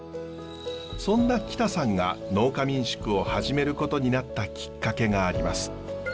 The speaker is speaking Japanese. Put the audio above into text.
そんな北さんが農家民宿を始めることになったきっかけがあります。